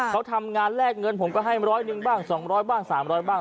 เขาทำงานแลกเงินผมก็ให้ร้อยหนึ่งบ้างสองร้อยบ้างสามร้อยบ้าง